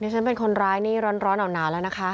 ฉันเป็นคนร้ายนี่ร้อนหนาวแล้วนะคะ